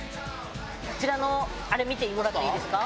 あちらのあれ見てもらっていいですか？